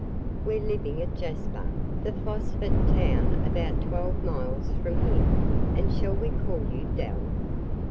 We 're living at Jasper, the phosphate town about twelve miles from here. And shall we call you Dell?"